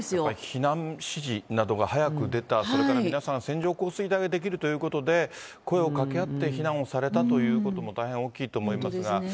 避難指示などが早く出た、それから皆さん、線状降水帯が出来るということで、声をかけ合って避難をされたということも大変大きいと思いますが。